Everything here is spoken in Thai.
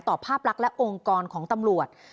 ภาพลักษณ์และองค์กรของตำรวจ